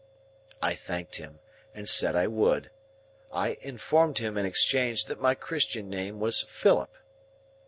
I thanked him and said I would. I informed him in exchange that my Christian name was Philip.